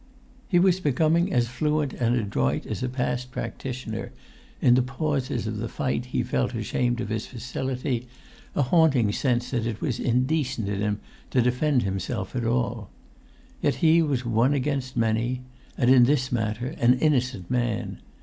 He was becoming as fluent and adroit as a past practitioner; in the pauses of the fight he felt ashamed of his facility, a haunting sense that it was indecent[Pg 165] in him to defend himself at all. Yet he was one against many; and, in this matter, an innocent man.